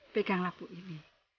pegang labu ini